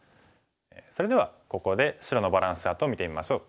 それではここで白のバランスチャートを見てみましょう。